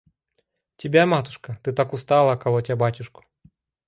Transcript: Тебя, матушка: ты так устала, колотя батюшку.